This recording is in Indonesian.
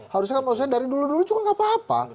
harusnya kan dari dulu dulu juga gak apa apa